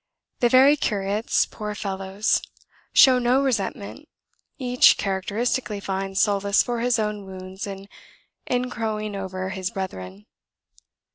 The very curates, poor fellows! show no resentment each characteristically finds solace for his own wounds in crowing over his brethren.